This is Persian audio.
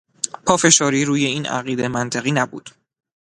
پافشاری روی این عقیده منطقی نبود.